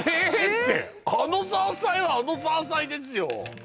ってあの搾菜はあの搾菜ですよ